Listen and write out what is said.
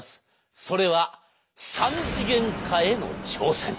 それは３次元化への挑戦。